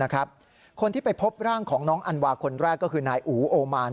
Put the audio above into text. คนที่ไปพบร่างของน้องอันวาคนแรกก็คือนายอูโอมาน